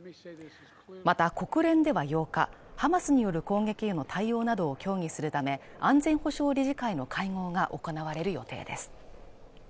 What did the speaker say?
また、国連では８日、ハマスによる攻撃への対応などを協議するため安全保障理事会の会合が行われる予定です。